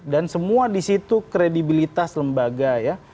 dan semua di situ kredibilitas lembaga ya